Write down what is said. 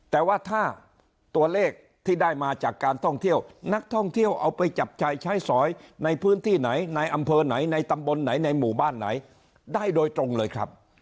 แต่ว่าถ้าตัวเลขที่ได้มาจากการท่องเที่ยวนักท่องเที่ยวเอาไปจับจ่ายใช้สอยในพื้นที่ไหนในอำเภอไหนในตำบลไหนในหมู่บ้านไหนได้โดยตรงเลยครับ